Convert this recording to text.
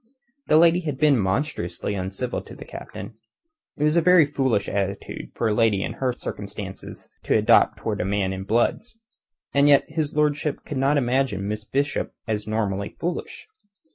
The lady had been monstrously uncivil to the Captain. It was a very foolish attitude for a lady in her circumstances to adopt towards a man in Blood's; and his lordship could not imagine Miss Bishop as normally foolish.